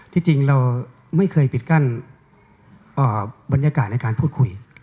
ที่จริงเราไม่เคยปิดกั้นบรรยากาศในการพูดคุย